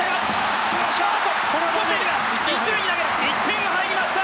１点入りました。